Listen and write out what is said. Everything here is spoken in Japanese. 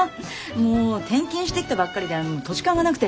もう転勤してきたばっかりで土地勘がなくて。